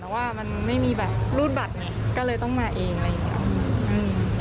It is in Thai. แต่ว่ามันไม่มีแบบรูดบัตรไงก็เลยต้องมาเองอะไรอย่างเงี้ยอืม